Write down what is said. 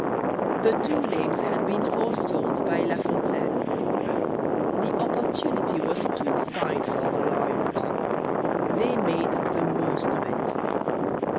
The two names had been forestalled by La Fontaine. The opportunity was too fine for the lawyers; they made the most of it.